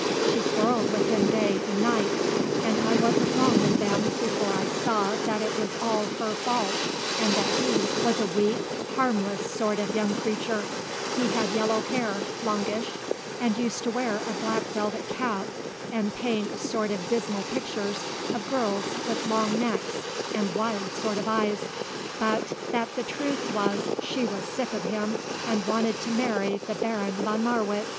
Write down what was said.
She quarrelled with him day and night, and I wasn't long with them before I saw that it was all her fault and that he was a weak, harmless sort of young creature he had yellow hair, longish, and used to wear a black velvet cap and paint sort of dismal pictures of girls with long necks and wild sort of eyes but that the truth was she was sick of him and wanted to marry the Baron von Marwitz.